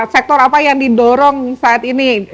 sektor apa yang didorong saat ini